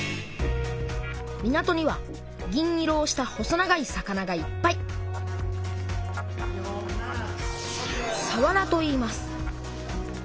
港には銀色をした細長い魚がいっぱいさわらといいます。